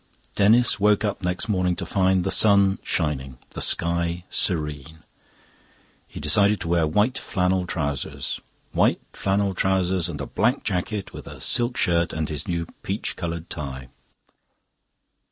Denis woke up next morning to find the sun shining, the sky serene. He decided to wear white flannel trousers white flannel trousers and a black jacket, with a silk shirt and his new peach coloured tie.